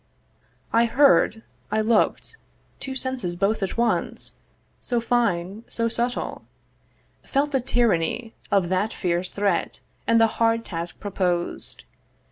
I heard, I look'd: two senses both at once, So fine, so subtle, felt the tyranny Of that fierce threat and the hard task proposed.